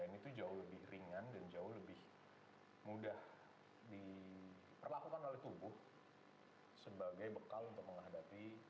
dan itu jauh lebih ringan dan jauh lebih mudah diperlakukan oleh tubuh sebagai bekal untuk menghadapi